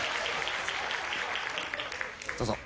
どうぞ。